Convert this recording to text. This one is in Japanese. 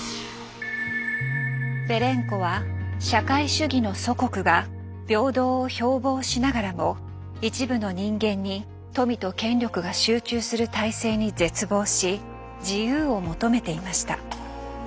ベレンコは社会主義の祖国が平等を標ぼうしながらも一部の人間に富と権力が集中する体制に絶望し自由を求めていました。